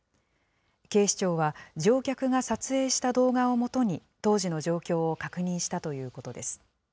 警視庁は、乗客が撮影した動画をもとに、当時の状況を確認したということです。